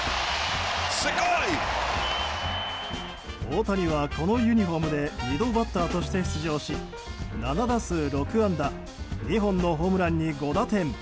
大谷は、このユニホームで２度バッターとして出場し７打数６安打２本のホームランに５打点。